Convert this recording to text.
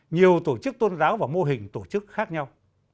nhiều tổ chức tôn giáo và mô hình tổ chức khác nhau